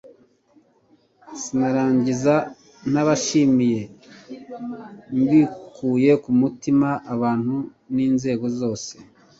sinarangiza ntashimiye mbikuye ku mutima abantu n'inzego zose